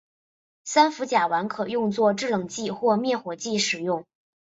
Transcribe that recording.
三氟甲烷可用作制冷剂或灭火剂使用。